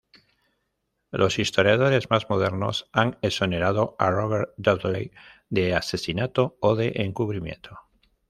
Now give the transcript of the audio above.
Los historiadores más modernos han exonerado a Robert Dudley de asesinato o de encubrimiento.